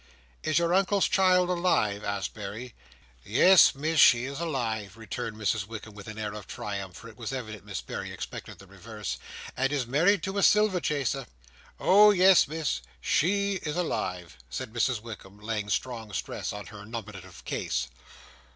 "Is your Uncle's child alive?" asked Berry. "Yes, Miss, she is alive," returned Mrs Wickam with an air of triumph, for it was evident. Miss Berry expected the reverse; "and is married to a silver chaser. Oh yes, Miss, SHE is alive," said Mrs Wickam, laying strong stress on her nominative case.